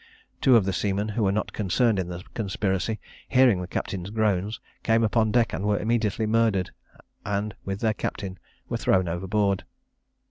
Two of the seamen who were not concerned in the conspiracy, hearing the captain's groans, came upon deck, and were immediately murdered, and, with their captain, were thrown overboard.